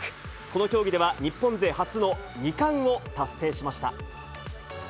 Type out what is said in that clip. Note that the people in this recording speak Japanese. この競技では日本勢初の２冠を達成しました。